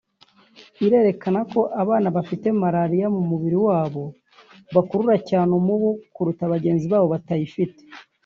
irerekana ko abana bafite malaria mu mubiri wabo bakurura cyane umubu kuruta bagenzi babo batayifite